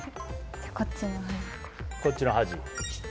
こっちの端。